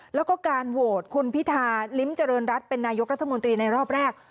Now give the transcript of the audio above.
แล้วก็การโหวตคุณพิธาลิ้มเจริญรัฐเป็นนายกรัฐมนตรีในรอบแรก